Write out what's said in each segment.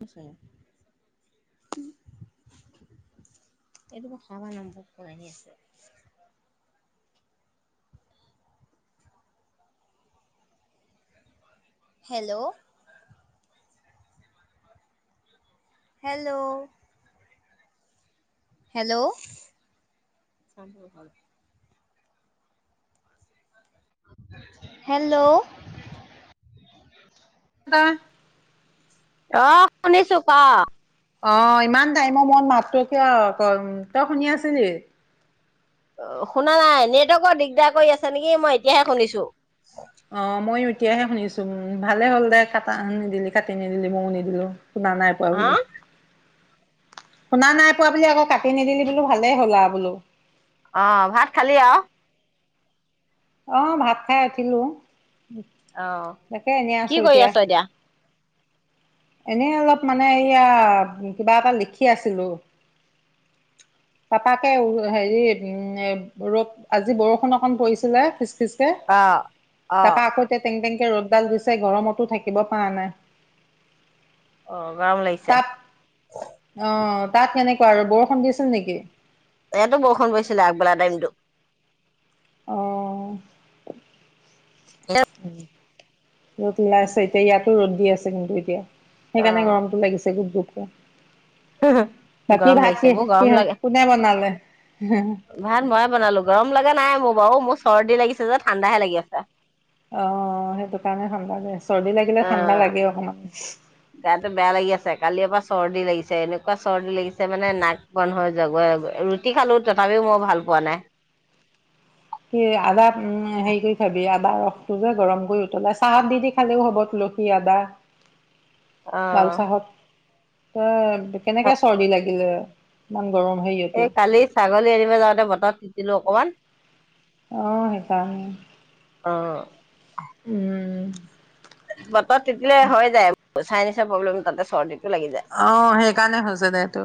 এইটো কাবা নম্বৰ কৰি আছে হেল্ল' হেল্ল' হেল্ল' হেল্ল' দা অহ শুনিছো ক অ ইমান টাইমৰ মোৱত মাত কিয় ক তই শুনি আছিলি অ শুনা নাই নেটৱৰ্কৰ দিগদাৰ কৰি আছে নেকি মই এতিয়াহে শুনিছো তেতিয়াহে শুনিছোম ভালে হ'ল দে কটা নিদিলি কাটি নিদিলি ময়ো নিদিলো শুনা নাই পোৱা হা বুলি শুনা নাই পোৱা বুলি আকৌ কাটি নিদিলি বোলো ভালেই হ'ল আও বোলো অ ভাত খালি আও অহ ভাত খাই উঠিলো অ' তাকে এনে কি আছো কৰি এতিয়া আছ এনেই অলপ মানে এয়া কিবা এটা লিখি আছিলো পাপাকে হেৰি উম ৰপ আজি বৰষুণ অকণ পৰিছিল। চাই। অ' অ' তাপা আকৌ তেংটেং। ৰ'দডাল দিছে গৰমতো থাকিব পৰা নাই। আহ গৰম লাগিছে। তাপ অ' তাত কেনেকুৱা আৰু বৰষুণ দিছিল নেকি? ইয়াতো বৰষুণ পৰিছিলে আগবেলা টাইমতো। অহ ৰ'দ মলাই আছে এতিয়া ইয়াতো ৰ'দ দি আছে কিন্তু এতিয়া। সেইকাৰণে অ' গৰমতটো লাগিছে গুপ গুপ। অহ। গৰম লাগিছে বোৰ গৰম লাগা কোনে বনালে? ভাত মইে বনালো গৰম লগা নাই মোক। বাৰ মোৰ চৰ্দি লাগিছে যে ঠাণ্ডাহে লাগি আছে। অঁ, সেইটো কাৰণে ঠাণ্ডা যায় চৰ্দি লাগিলে অ' ঠাণ্ডা লাগে অকমান। গাটো বেয়া লাগি আছে কালিৰ এপ পৰা চৰ্দি লাগিছে এনেকুৱা চৰ্দি লাগিছে মানে নাক বন্ধ হৈ জগ ৰুটি খালো তথাপিও মই ভাল পোৱা নাই। কি আদা উম হেৰি কৰি খাবি আদা ৰসটো যে গৰম কৰি উতলাই চাহত দি দি খালেও হ'ব তুলসী আদা। লাল চাহাত। উম। কেনেকে চৰ্দি লাগিলে? [unintelligible] হেৰিয়তো। এই কালি ছাগলী আনিব যাওঁতে বতৰত তিতিলো অকনমান। অঁ সেইকাৰণে। অঁ। উম। ব। তিতিলে হৈ যায়। চাই নিচা প্ৰবলেম তাতে চৰ্দি। অঁ, সেইকাৰণে হৈছে দে তটো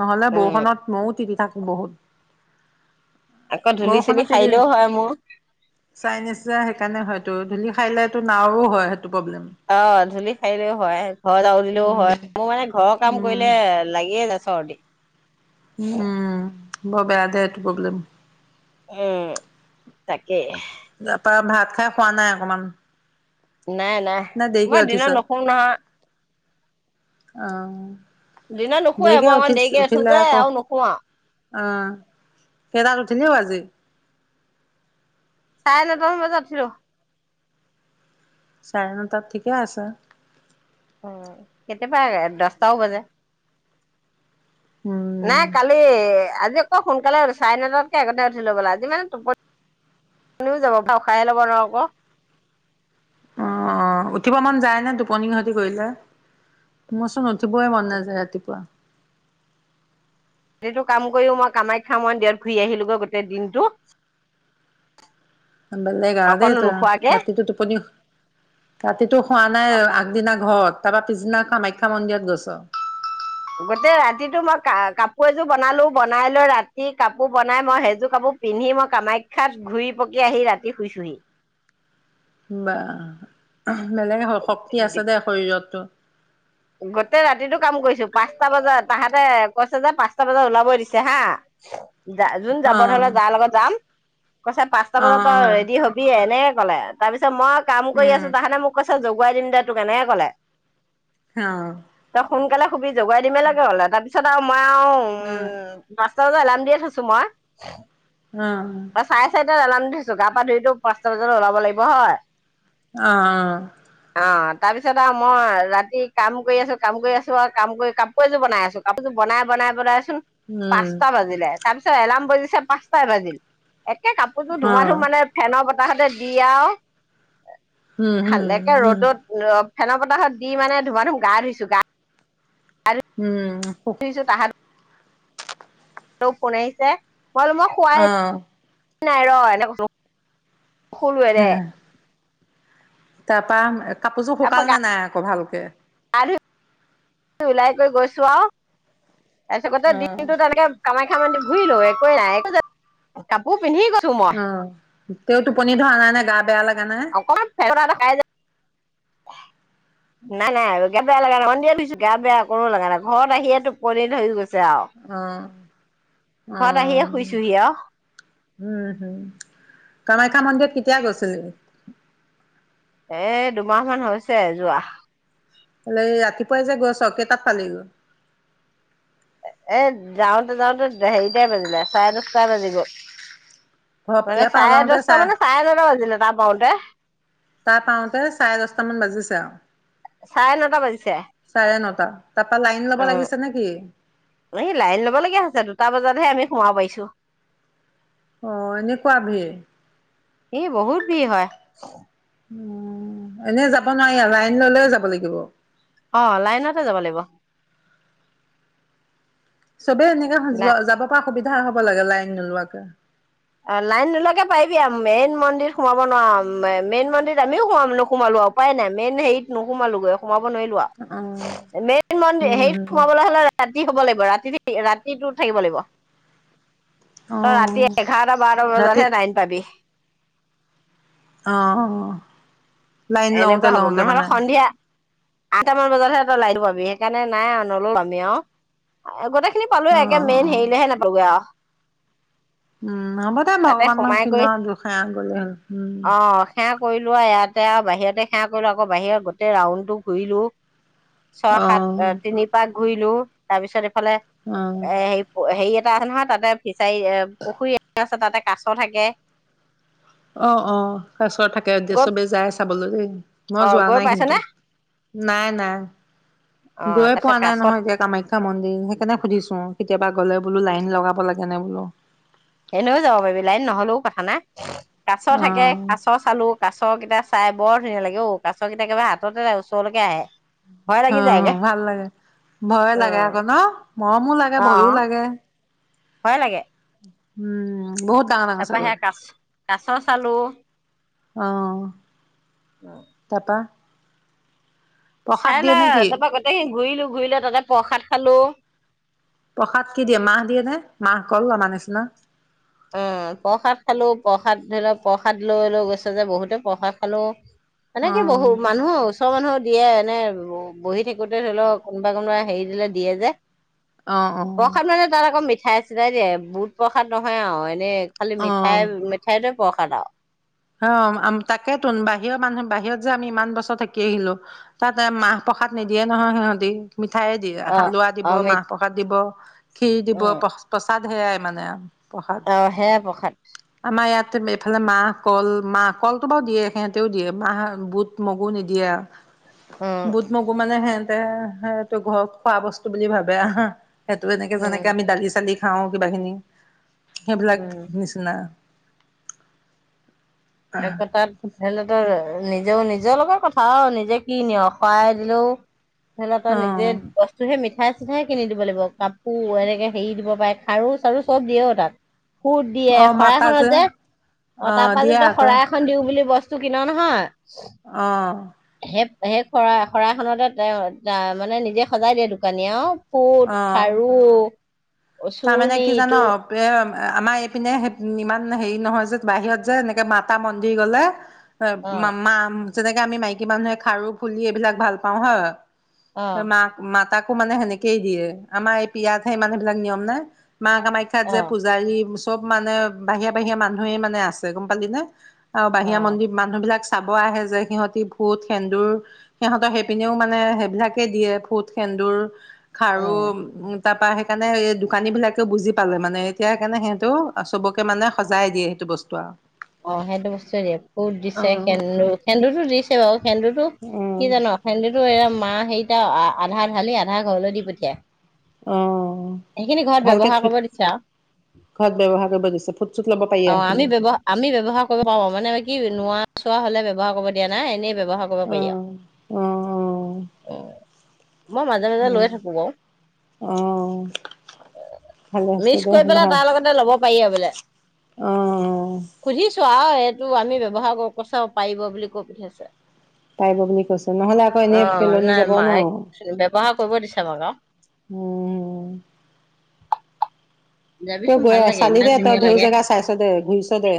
নহলে উম বৰষুনত মইও তিতি থাকো। বহুত। আকৌ ধূলি বৰষুত চুলি তি সাৰিলেও হয় মোৰ চাইনিজ যে সেইকাৰণে হয়। টো ধূলি খাইলে তো নাৱও হয়। প্ৰব্লেম অ ধূলি খাৰিলেও হয় ঘৰত আউ দিলেও উম হয় মোৰ মানে। ঘৰৰ কাম উম কৰিলে লাগিয়ে আাইছহতি। উম। ব বেয়া দে এইটো প্ৰব্লেম। উম তাকে। তাৰাপৰা ভাত খাই খোৱা নাই অকমান। নাই নাই মই দিনত নখোওঁ নহয়। আহ দিনা নুশুৱে মই অকমান দেৰিকে আছো যে আকৌ আ নুহো আঁ অ সেই তাত উঠিলিও আজি। চাৰে নটা মান বজাত উ ৰ চাৰে নটাত ঠিকে আছা উ কেতিয়াবা দহটাও বজে উম নাই কালি আজ আকৌ সোনকালে চাৰে নটাতকে আগতোই উঠি লৈ বোলা আজি মান টোপনি শনিও যাব বা উশাহে লব নোৱাৰ আকৌ আহ উঠিব মন যায় নে টোপনি সহতি কৰিলে মোৰচোন উঠিবই মন নাযায় ৰাতিপুৱা। টো কাম কৰিও মই কামাখ্যা মই দেত ঘূৰি আহিলোগৈ গোটেই দিনটো। বেলেগ আৰু দেই অকনো তো নোখোৱাকে ৰাতিটো টোপনি ৰাতিটো খোৱা নাই আগদিন ঘৰত তাৰ পৰা পিছনা কামাখ্যা মন্দিৰত গছ গোটেই ৰাতিটো মই ক কাপোৰ এযোৰ বনালো বনাই লৈ ৰাতি কাপোৰ বনাই মই সেইযোৰ কাপোৰ পিন্ধি মই কামাখ্যাত ঘূৰি পকি আহি ৰাতি শুইচোহি বা বেলেগে হ শক্তি আছে দে শৰীৰতটো। গোটেই ৰাতিটো কাম কৰিছো পাঁচটা বজাত তাহাঁতে কৈছে যে পাঁচটা বজাত ওলাব দিছে হা যা যোন অ যাব ধৰিলে যাৰ লগত যাম। কৈছো পাঁচটা অ বজাত ত অ ৰেডি হবিয়ে এনে তাৰ পিছত মই কাম কৰি উম আছো তাহানে মোক ক আছে জগুৱাই দিম দে তোক কেনেকে কলে হ জগাই দমেই লাগে হ'ল এটা। তাৰ পিছত আ উ উম লাম দিয়ে থৈছো মই। অ অ চাৰে চাৰিটাত আলাম উঠিছো গা পা ধুইতো পাঁচটা বজাল ওলাব লাগিব হয় আহ অ তাৰপিছত আৰু মই ৰাতি কাম কৰি আছো কাম কৰি আছো আৰু কাম কৰি কাপোৰ এযোৰ বনাই আছো কাপোৰযোৰ বনাই বনাই বনাইছো। উম পাঁচটা বাজিলে তাৰিছত এলাম বজিছে পাঁচ পাই বাজিল। আ কাপোৰ অ ধুমা ধুম মানে ফেনৰ। তাহতে দিয়া আ উম খালেকে উম ৰ'দত। ফেনৰ বতাহত দি মানে ধুমা ধুম গা ধুইছো গা। উম তিছো তাহাঁত। ৰহ কোন আহিছে? হল মই অ খোৱাই? নাই ৰ এনেকুৱ। সৰুৱেৰে। তা পাম। কাপোৰযোৰ শুকাল নে নাই আক ভাল। এক আৰু ওলাই গৈছো আৰু। তাৰপিছ গতে অ দিনটোত তেনেকে কামাই। কাম্যখা ঘোৰিলো একো এই নাই কাপোৰ পিন্ধি গলো? অ তে টোপনি ধৰা নাই নে গা। বেয়া লাগে। অ ক ফেৰা। এ নাই নাই। গে বেয়া লগা নন্দিয় ধুইছো গে বেয়া কোনো লগা নাই ঘৰত আহিয়েটো টোপনি ধৰি গৈছে? আৰু অ ঘৰত আহিয়ে আহ শুইছোহি আৰু উম হম। কামাখ্যা মন্দিৰত কেতিয়া গৈছিল? এ দুমাহ মান হৈছে যোৱা। হলে ৰাতিপুৱাই যে গৈ চৰকেইটাত পালে গৈ। এ যাওঁতে যাওঁতে হেৰিটাই বাজিলে চাৰে দচটাই বাজি গ'ল। ঘ মানে ইয়াৰ পৰা চাৰে ওলাওতে দহটা চাৰে মানে নটা বাজিলে তাৰ পাওঁতে তাৰ পাওতে চাৰে দশটামান বাজিছে আৰু। চাৰে নটা বাজিছে চাৰে নটা, তাৰপা লাইন ল'ব অ লাগিছে নে কি? সি লাইন লব লগগীয়া হৈছে দুটা বজাতহে আমি। সোমাই পাইছো? অ এনেকুৱা ভিৰ। এ বহুত ভিৰ হয়। উ এনে যাব নোৱাৰি লাইন ললেয় যাব লাগিব? অ লাইনতে যাব লাগিব? চবে এনেকে লাই যাব পৰা। সুবিধা হ'ব লাগে লাইন নোলোৱাকে? অ লাইন নোলকে পাৰিবি মেইন মন্দিৰিত সোমাব নোৱাৰ। মেইন মন্দিৰত আমিও সোমাম নোসোমালো উপায় নাই, মেইন হেৰিত নোসোমালোগৈ সোমাব নোৱাৰিলো আও। অ', মেইন মন্দিৰ উম, হেইত হম, সোমাবলৈ হ'লে ৰাতি থব লাগিব ৰাতি ৰাতিতটো থাকিব লাগিব। ত ৰাতি অ', এঘাৰটা বাৰটা বজাতহে ৰাতিত লাইন পাবি আহঁ এনেকুৱা হ'ব মা নহ'লে সন্ধিয়া আঠটামান বজাতহে ত লাইন পাবি। সেইকাৰণে নাই আৰু নল আমি আও। গোতে [unintelligible] খিনি পালো, একে অ', মেইন অ'। হেৰিলেহে নাপালো আও। উম হ'ব দে তাতে ভগৱানৰ সোমাই কিনো কৰি আও দুসাই আগ হ'ল উম ত [unintelligible] বাহিৰতে সেৱা কৰিলো আকৌ বাহিৰত গোটেই ৰাউন্ড টো ঘূৰিলো ছয় অ', সাত তিনি পাঁচ ঘুইলো তাৰ পিছতে ফে অ'। এ হেৰি হেৰি আহিলোঙ আও তাতে উঠিলো, চাই পুখুৰী তাতে কাছ থাকে। অঁ অঁ তচৰ থাকে যে গৈ চবে যাই আ চাবলৈ মই অ যোৱা গৈ নাই পাইছে কিন্তু। নে নাই নাই অ গৈ পোৱা তাৰপিছত নাই কাছত নহয় এতিয়া কামাখ্যা মন্দিৰ সেইকাৰণে সুধিছো আও। গ'লে বোলো লাইন লগাব লাগে নে বোলো এনেও যাব পাৰিবি লাইন নহলেও কথা নাই। কাছ থাকে, অ', কাছ চালো, কাছ কেইটা- চাই বৰ ধুনীয়া লাগে ও, কাছ কেইটা একেবাৰে হাততে ওচৰলৈকে আহে ভয় হ লাগি যায়গে ভাল লাগে ভয়ে লাগে উম আকৌ ন, মৰমো লাগে ভয়ো লাগে। হয় লাগে [inaudible] উম বহুত ডাঙৰ ডাঙৰ তাৰপা চাগৈ সেয়া কাচ কা চ চালো আহ তাপা চাই লা নেকি? তাৰ পৰা গোটেইখিনি ঘূৰিলো ঘূৰিলো তাতে প্ৰসাদ খালো। প্ৰসাদ কি দিয়ে মাহ দিয়ে নে? মাহ গ'ল আমাৰ নিচিনা, অঁ প্ৰসাদ খালো প্ৰসাদ ধৰি লওক প্ৰসাদ লৈ লৈ গৈছে যে বহুতে প্ৰসাদ খালো এনেকে বহু অ', মানুহো আছে ও চৰ মানুহো দিয়ে এনে বহি থাকোঁতে ধৰি লওক কোনোবা কোনোবাই হেৰি দিলে দিয়ে যে অ', প্ৰসাদ মানে তাৰ আকৌ মিঠ মিঠাই চিঠাই দিয়ে বুত প্ৰসাদ নহয়। হা এনে খালি মিঠাই অ', মিঠাইত প্ৰসাদ আৰু অ তাকে তো বাহিৰৰ মানুহ বাহিৰত যে আমি ইমান বছৰ থাকি আহিলো তাত মাহ প্ৰসাদ নিদিয়ে নহয় সিহঁতি মিঠাই দিয়ে অ হালোৱা অ দিব মি মাহ প্ৰসাদ দিব খিৰ দিব তাত সেয়াই মানে আৰু আহ হে প্ৰসাদ ইয়াত এইফালে মাহ কল মাহ কলটো বাৰু দিয়ে সিহঁতেও দিয়ে মাহ বুট মগু নিদিয়ে উম বুধ মগু মানে হেন সেইটো ঘৰত খোৱা বস্তু বুলি ভাবে আহ সেইটো এনেে উম যেনেকে আমি দালি চালি খাওঁ কিবাখিনি সেইবিলাক উম নিচিনা আকৌ তাত সেনেকে নিজেও নিজৰ লগত কথা আৰু নিজে কি নিঅ শৰাই দিলেও ধৰি লওক তই নিজে অ', বস্তুহে নি মিঠাই চিঠাই কিনি দিব লাগিব কাপোৰ এনেকে হেৰি দিব পাৰে খাৰু চাৰু চব দিয়ে অ তাত সুত দিয়ে অ শৰাই মাতাজে খনত যে অ তাৰপা দিয়ে যেতিয়া আকৌ শৰাই এখন দিওঁ বুলি বস্ত বস্ত কিন নহয় অ সেই সেই শৰা শৰাইখনতে মানে নিজে সজাই দিয়ে দোকানীয়ে আৰু অ ফুত খাৰু তাৰমানে চুৰ্ণি কি জান ইটো আমাৰ এইপিনে ইমান হেৰি নহয় যে বাহিৰত যে এনেকে মাতা মন্দিৰ গ'লে অ মা মা যেনেকে আমি মাইকী মানুহে খাৰু ফুলি এইবিলাক ভাল পাওঁ হা অ মা মাতাক আকৌ মানে সেনেকেই দিয়ে আমাৰ এই পিয়াজহে ইমানবিলাক নিয়ম হয়নে? মা কামাখ্যাত অ যে পূজাৰী মুচ চব মানে বাহিৰা -বাহিৰা মানুহেই মানে আছে গম পালি নে। আৰু অ বাহিৰা মন্দিৰ মানুহ বিলাকচ। চাব আহে যে সিহঁতি ফুট সেন্দুৰ সিহঁতৰ সেইপিনেও মানে সেইবিলাকে দিয়ে ফুট সেন্দুৰ খাৰু অ উ তাপা সেইকাৰণে এই দোম দোকানী বিলাকেও বুজি পালে মানে এতিয়া সেইকাৰণে সেতেওঁ চবকে মানে সজাই দিয়ে সেইটো বস্তু আৰু অ 'সেইটো বস্তুৱে দিয়ে ফুত দিছে সেন্দুৰ সেন্দুৰতো দিছে বাৰু সেন্দুৰতো উম কি জানো সেন্দুৰতো এয়া মা হেৰি এতিয়া আধা ঢালি আধা ঘৰলৈ দি পঠিয়াই। অ' সেইখিনি ঘৰত ভালকে ব্যৱহাৰ থ কৰিব দিছে আৰু ঘৰত ব্যৱহাৰ কৰিব দিছে ফুট চুট ল'ব পাৰি অ আমি সেইখিনি। ব্যৱ আমি ব্যৱহাৰ কৰিব পাৰ মানে আম কি নোৱা চোৱা হলে ব্যৱহাৰ কৰিব দিয়া নাই এনেই ব্যৱহাৰ কৰিব পাৰি অ', অ', আৰু মই মাজে মাজে লৈ অ', থাকো বাৰু অ', ভালে আছে মিক্স দে কৰি ভাল পেলাই অ', তাৰ লগতে ল'ব পাৰি আৰু বেলেগ অ', খুজিছোঁ আও টো আমি ব্যৱহাৰ কৰো কৈছে ক পাৰিব বুলি কৈ পিঠিয়াইছে। পাৰিব বুলি কৈছেো নহ'লে আকৌ এনেই পেলনি নাই যাব ন মায়ে ব্যৱহাৰ কৰিব দিছে আমাক আৰু উম, তই যাবিচোন গৈ ভাল লাগে চালি ইমান দে তই ধুনীয়া ধেও লাগে জেগা চাইছ দে ঘূৰিছ দে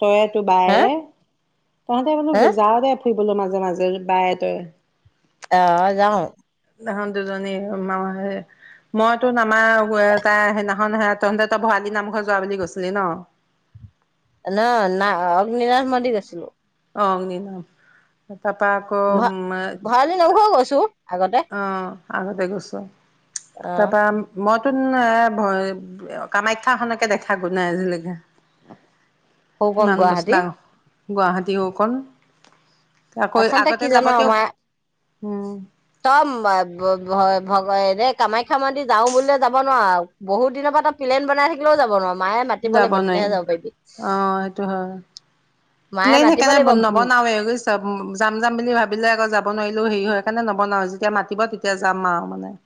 তই তোৰ হা বায়েৰে তহঁতে হা বোলো যাৱ দেব ফুৰিবলৈ মাজে -মাজে বায়ে তয়ে অ ' যাওঁ তহঁত দুজনী মায়ে মই তো আমাৰ তাই সেইদিনাখন তহতি তো ভৰাালি নামঘৰ যোৱা বুলি গৈছিলি ন'। ন না অগ্নিনাথ মন্দিৰ গৈছিলো। অগ্নিনাভ। ভ ভঁৰালী নামঘৰ গৈছিলি? চো অ' আগতে গৈছোঁ আও অ তাৰপৰা মদ নতুন এ কামাখ্যা খনকে দেখা গৈ নাই আজিলৈকে। সৌ কণ গুৱাহাটী। গুৱাহাটী হও কণ। তাকৌ আচলতে কি আগতে জান যাবতে আমাৰ উম তই ভগ এনে কামাখ্যা মন্দিৰ যাও বুলিলে যাব নোৱাৰ। বহুত দিনৰ পৰা এটা পিলেন বনাই থাকিলেও যাব নোৱাৰ। মায়ে মাতিব যাব লাগিব নোৱাৰি। তেতিয়াহে যাব পাৰিবি অ', সেইটো হয়। মায়ে প্লেইন মাতিব লাগিব সেইকাৰণে উম নবনাওৱে বুইছ। যাম-যাম বুলি ভাবিলে আকৌ যাব নোৱাৰিলেও হেৰি হয়। সেইকাৰণে নবনাও, যেতিয়া মাতিব তেতিয়া যাম আৰু মানে।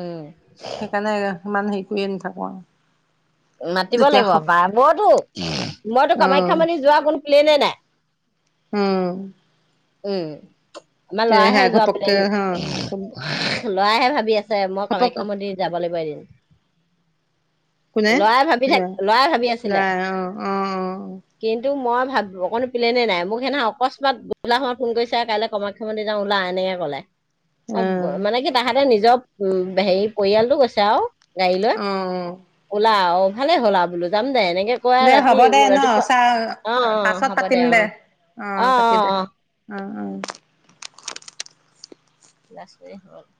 উম। সেইকাৰণে ইমান হেৰি কৰিয়ে নাথাকো আৰু। মাতিব যেতিয়া লাগিব বা মইতো, মইতো কামাখ্যা অ', মন্দিৰ যোৱা কোনো প্লেনে নাই। উম। উম। আমাৰ তে ল'ৰাহে সেয়া যোৱা ঘপককে প্লেন, হা ল'ৰাহে ভাব আছে মই ঘপক কামাখ্যা মন্দিৰ যাব লাগিব এদিন কোনে ল'ৰাই ভাবি যোৱা থাকে, ল'ৰাই ভাবি আছিলে। যায় অ', অ', কিন্তু মই ভাবিব কোনো প্লেনে নাই, মোক সেদিনা অকস্মাত উলা সময়ত ফোন কৰিছে। কাইলৈ কামাখ্যা মন্দিৰ যাম ওলা এনেকে ক'লে। অ' মানে কি তাহাতে নিজৰ উম হেৰি পৰিয়ালটো গৈছে আৰু গাড়ী লৈ। অ'। ওলা অ' ভালে হ'ল আৰু যাম দে এনেকে কয় দে ৰাতি হ'ব দে ন? ৰাতিপুৱা চাহ অ অ পাছত হ'ব পাতিম অ দে। অ' কাটি দে। অ, অ। ক্লাছ কৰি হল? [unintelligible]